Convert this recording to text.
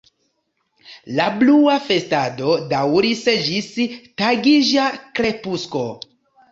La brua festado daŭris ĝis tagiĝa krepusko.